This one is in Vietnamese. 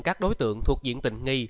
các đối tượng thuộc diện tình nghi